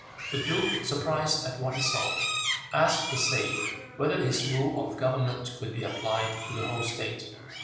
The duke, surprised at what he saw, asked the sage whether his rule of government could be applied to the whole state.